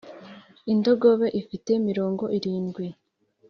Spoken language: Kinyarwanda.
indogobe ifite mirongo irindwi